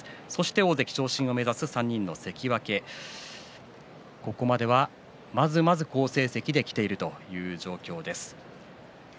大関昇進を目指す３人の関脇ここまではまずまず好成績できているという状況です。